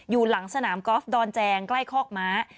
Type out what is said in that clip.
อยู่หลังสนามกอล์ฟดอนแจงใกล้คอกม้า